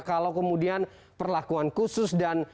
kalau kemudian perlakuan khusus dan